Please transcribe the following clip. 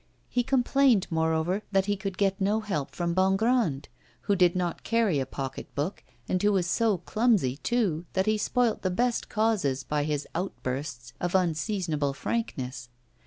He complained, moreover, that he could get no help from Bongrand, who did not carry a pocket book, and who was so clumsy, too, that he spoilt the best causes by his outbursts of unseasonable frankness.